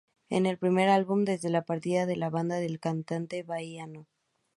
Es el primer álbum desde la partida de la banda del cantante Bahiano.